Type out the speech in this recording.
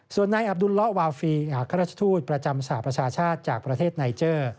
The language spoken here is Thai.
ส่วนนายอับดุลละวาฟีอัครราชทูตประจำสหประชาชาติจากประเทศไนเจอร์